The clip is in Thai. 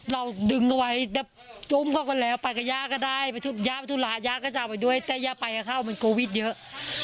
เราดึงเอาไว้ไปกับยาก็ได้ยากก็จะไปด้วยแต่ยากไปกับเข้ามันโกวิดเยอะ